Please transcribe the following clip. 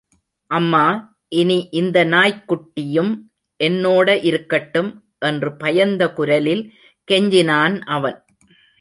அம்மா, இனி இந்த நாய்க் குட்டியும் என்னோடே இருக்கட்டும்... என்று பயந்த குரலில் கெஞ்சினான் அவன்.